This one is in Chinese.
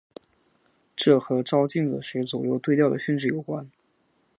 这和照镜子时左右对调的性质有关。